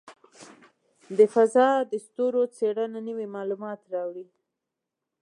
د فضاء د ستورو څېړنه نوې معلومات راوړي.